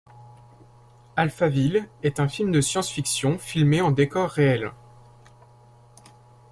Alphaville est un film de science-fiction filmé en décor réel.